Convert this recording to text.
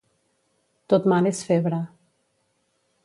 Tot mal és febre.